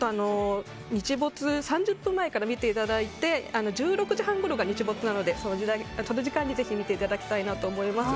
日没３０分前から見ていただいて１６時半ごろが日没なのでその時間にぜひ見ていただきたいと思います。